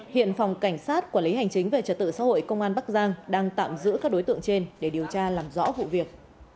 hiện phòng cảnh sát quản lý hành chính về trật tự xã hội công an bắc giang đang tạm giữ các đối tượng trên để điều tra làm rõ vụ việc